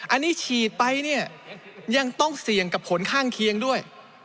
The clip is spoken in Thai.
อันนี้ฉีดไปเนี่ยยังต้องเสี่ยงกับผลข้างเคียงด้วย